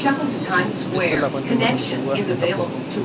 Esta es la fuente más antigua en Japón.